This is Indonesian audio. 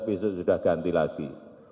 besok sudah ganti lagi